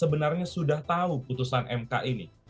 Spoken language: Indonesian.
sebenarnya sudah tahu putusan mk ini